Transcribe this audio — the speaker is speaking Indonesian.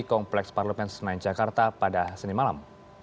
kompleks parlemen senayan jakarta pada senin malam